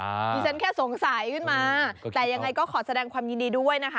ดิฉันแค่สงสัยขึ้นมาแต่ยังไงก็ขอแสดงความยินดีด้วยนะคะ